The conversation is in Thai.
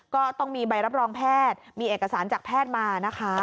ก็ต้องมีใบรับรองแพทย์มีเอกสารจากแพทย์มานะคะ